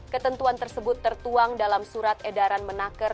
ketentuan tersebut tertuang dalam surat edaran menaker